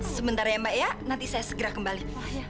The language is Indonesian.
sebentar ya mbak ya nanti saya segera kembali